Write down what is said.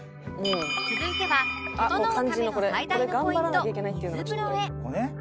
続いてはととのうための最大のポイント水風呂へ